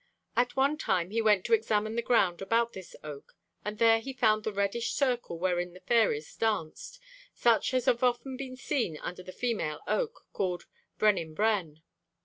At one time he went to examine the ground about this oak, and there he found the reddish circle wherein the fairies danced, 'such as have often been seen under the female oak, called Brenhin bren.'